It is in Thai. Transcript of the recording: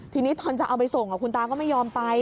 ทีนี้ตอนจะเอาไปส่งคุณตาก็ไม่ยอมไป